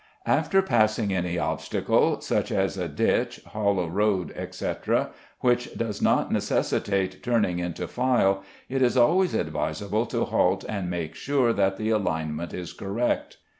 After passing any obstacle, such as a ditch, hollow road, etc., which does not necessitate turning into file, it is always advisable to halt and make sure that the alignment is correct.